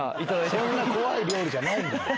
そんな怖い料理じゃないねん！